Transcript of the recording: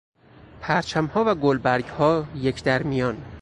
پرچمها و گلبرگهای یک در میان